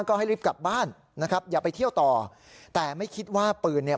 ก็ให้รีบกลับบ้านนะครับอย่าไปเที่ยวต่อแต่ไม่คิดว่าปืนเนี่ย